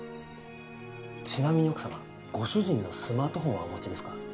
ちなみに奥様ご主人のスマートフォンはお持ちですか？